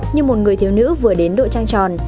như một người thiếu nữ vừa đến độ trang tròn